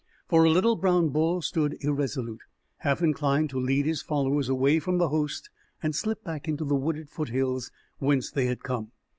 For a little, Brown Bull stood irresolute, half inclined to lead his followers away from the host and slip back into the wooded foothills whence they had come.